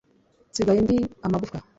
nsigaye ndi amagufwa